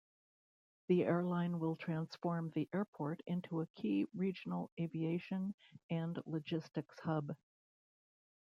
The airline will transform the airport into a key regional aviation and logistics hub.